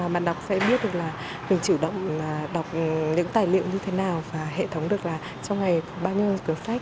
bạn đọc sẽ biết được là mình chủ động đọc những tài liệu như thế nào và hệ thống được là trong ngày bao nhiêu cửa phách